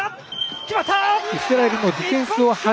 決まった！